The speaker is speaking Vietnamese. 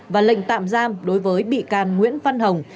và lệnh tạm giam đối với bị can nguyễn văn hồng